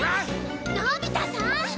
のび太さん！